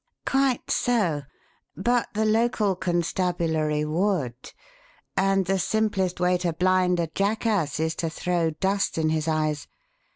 "Quite so. But the local constabulary would; and the simplest way to blind a jackass is to throw dust in his eyes.